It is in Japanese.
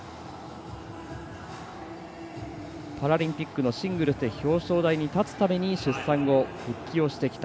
パラリンピックのシングルスで表彰台に立つために出産後、復帰をしてきた。